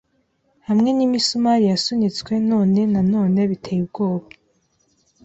Hamwe n'imisumari yasunitswe none nanone biteye ubwoba